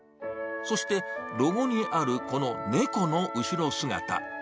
そして、ロゴにあるこの猫の後ろ姿。